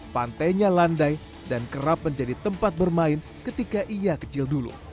pantainya landai dan kerap menjadi tempat bermain ketika ia kecil dulu